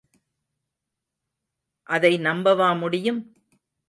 அதை நம்பவா முடியும்?